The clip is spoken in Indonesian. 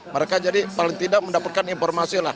mereka jadi paling tidak mendapatkan informasi lah